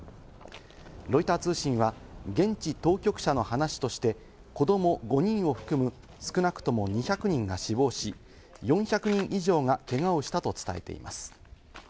ロイター通信は現地当局者の話として、子ども５人を含む少なくとも２００人が死亡し、４００人以上がけがをしたと伝えています。